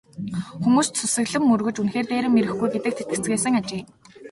Хүмүүс ч сүсэглэн мөргөж үнэхээр дээрэм ирэхгүй гэдэгт итгэцгээсэн ажээ.